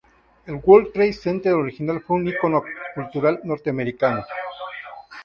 El World Trade Center original fue un icono cultural norteamericano.